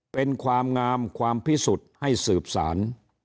เป็นความงามความพิสุทธิ์ให้สืบสาร